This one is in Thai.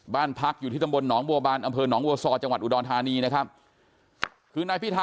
บ้านพักอยู่ที่สมบลหนองบัวบาล